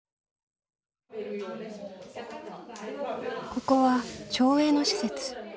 ここは町営の施設。